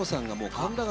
「神田川」